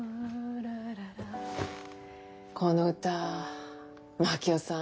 この歌真樹夫さん